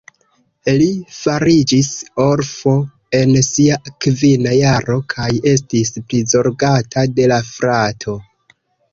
Li fariĝis orfo en sia kvina jaro kaj estis prizorgata de la frato.